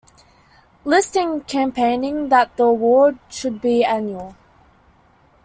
List in campaigning that the award should be annual.